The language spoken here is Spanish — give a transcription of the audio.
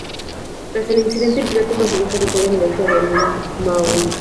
Tras el incidente, el piloto consiguió aterrizar en la isla de Maui.